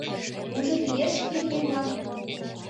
Мужыр лиеш ир еҥлан?